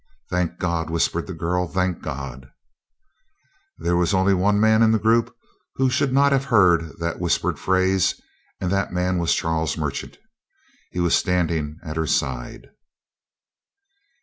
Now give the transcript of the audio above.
"Thank God!" whispered the girl. "Thank God!" There was only one man in the group who should not have heard that whispered phrase, and that man was Charles Merchant. He was standing at her side.